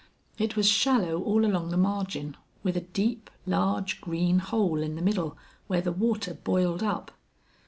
It was shallow all along the margin, with a deep, large green hole in the middle, where the water boiled up.